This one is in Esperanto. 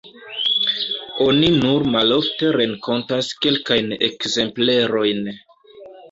Oni nur malofte renkontas kelkajn ekzemplerojn.